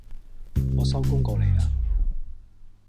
我收工過嚟呀